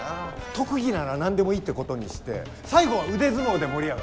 特技なら何でもいいってことにして最後は腕相撲で盛り上がる。